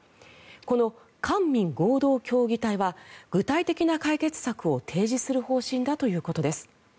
この官民合同協議体は具体的な解決策を提示する方針だということです。